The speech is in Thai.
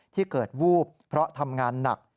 ที่เกิดวูบเพราะทำงานหนัก